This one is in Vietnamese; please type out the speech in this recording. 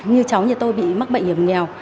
như cháu như tôi bị mắc bệnh y tế nghèo